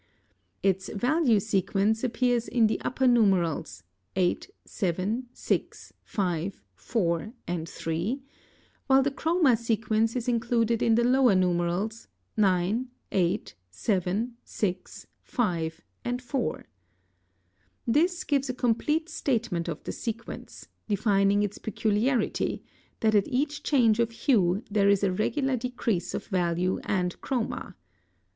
Its value sequence appears in the upper numerals, 8, 7, 6, 5, 4, and 3, while the chroma sequence is included in the lower numerals, 9, 8, 7, 6, 5, and 4. This gives a complete statement of the sequence, defining its peculiarity, that at each change of hue there is a regular decrease of value and chroma.